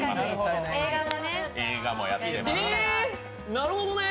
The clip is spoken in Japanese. なるほどね。